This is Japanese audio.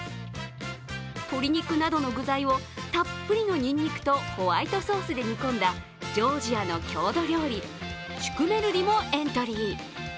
鶏肉などの具材をたっぷりのにんにくとホワイトソースで煮込んだ、ジョージアの郷土料理シュクメルリもエントリー。